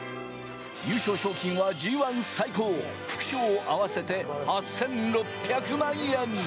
優勝賞金はＧ１最高、副賞を合わせて８６００万円！